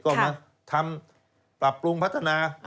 ก็มาทำปรับปรุงพัฒนา